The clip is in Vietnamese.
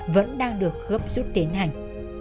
vẫn đang được gấp rút tiến hành